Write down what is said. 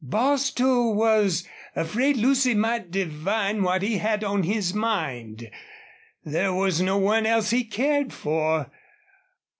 Bostil was afraid Lucy might divine what he had on his mind. There was no one else he cared for.